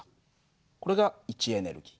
これが位置エネルギー。